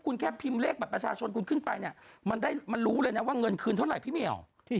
คุณแค่พิมพ์เลขบัตรประชาชนคุณขึ้นไปเนี่ยมันได้มันรู้เลยนะว่าเงินคืนเท่าไหร่พี่เหมียว